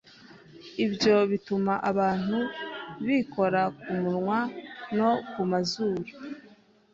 Ibyo bituma abantu bikora ku munwa no ku mazuru,